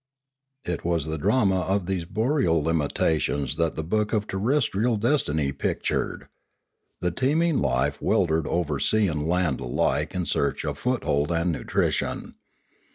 It was the drama of these boreal limitations that the book of Terrestrial Destiny pictured. The teeming life weltered over sea and land alike in search of foot hold and nutrition.